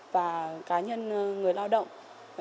và cá nhân người lao động